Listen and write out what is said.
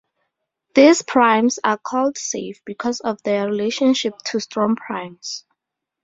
These primes are called "safe" because of their relationship to strong primes.